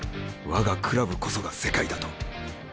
我がクラブこそが世界だと。